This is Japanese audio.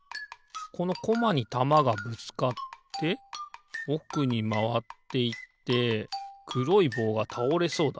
このコマにたまがぶつかっておくにまわっていってくろいぼうがたおれそうだな。